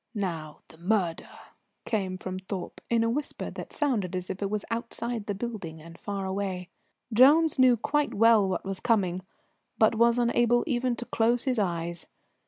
"Now the murder!" came from Thorpe in a whisper that sounded as if it was outside the building and far away. Jones knew quite well what was coming, but was unable even to close his eyes.